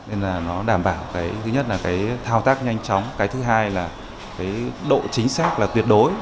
nên là nó đảm bảo cái thứ nhất là cái thao tác nhanh chóng cái thứ hai là cái độ chính xác là tuyệt đối